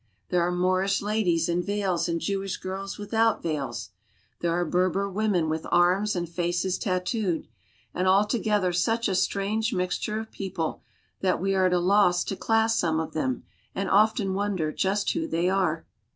There are Moorish ladies in veils and Jewish girls without veils. There are Berber women with arms and faces tattooed, and all together such a strange mixture of people that we are at a loss to class some of them, and often wonder just who they are.